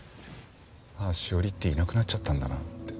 ああ史織っていなくなっちゃったんだなって。